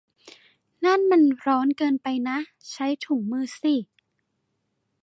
นั่นมันร้อนเกินไปนะ ! ใช้ถุงมือสิ !